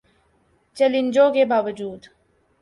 چیلنجوں کے باوجو